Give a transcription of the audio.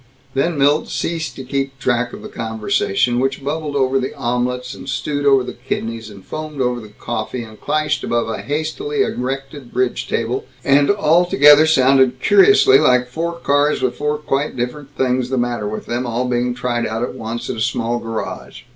Then Milt ceased to keep track of the conversation, which bubbled over the omelets, and stewed over the kidneys, and foamed about the coffee, and clashed above a hastily erected bridge table, and altogether sounded curiously like four cars with four quite different things the matter with them all being tried out at once in a small garage.